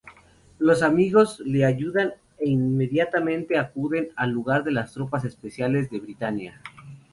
Los amigos la ayudan e inmediatamente acuden al lugar las tropas especiales de Britannia.